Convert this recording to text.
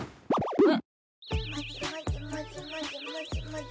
うん。